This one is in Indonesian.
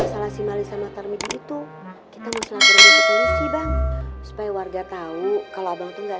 salah si mali sama termit itu kita bisa berhenti bang supaya warga tahu kalau abang tuh enggak